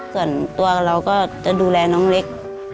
ส่วนตัวเราก็จะดูแลน้องเล็ก